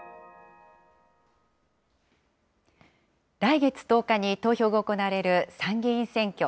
来月１０日に投票が行われる参議院選挙。